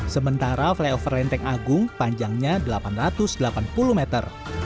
sementara flyover lenteng agung panjangnya delapan ratus delapan puluh meter